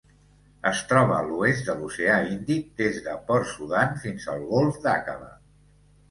Es troba a l'oest de l'Oceà Índic: des de Port Sudan fins al Golf d'Aqaba.